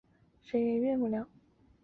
欧洲节拍发展出来。